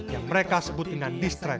yang mereka sebut dengan distribusi